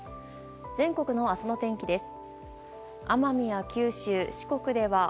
全国の明日の天気です。